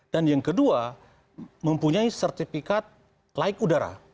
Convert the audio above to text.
dan yang kedua mempunyai sertifikat laik udara